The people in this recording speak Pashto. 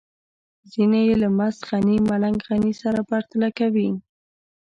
ځينې يې له مست غني ملنګ غني سره پرتله کوي.